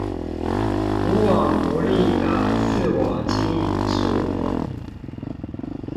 無往不利的自我經營術